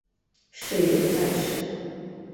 设有站舍。